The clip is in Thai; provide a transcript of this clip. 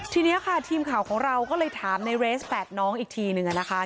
ทีนี้ค่ะทีมข่าวของเราก็เลยถามในเรสแฝดน้องอีกทีนึงนะคะ